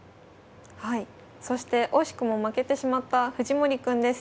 はいそして惜しくも負けてしまった藤森くんです。